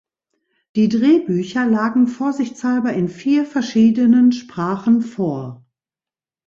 Die Drehbücher lagen vorsichtshalber in vier verschiedenen Sprachen vor.